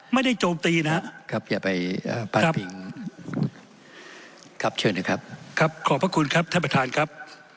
ไม่ได้โจมตีนะครับขอบพระคุณครับท่านประธานครับ